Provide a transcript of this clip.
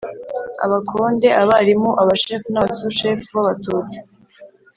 abakonde, abarimu, abashefu n' abasushefu b' abatutsi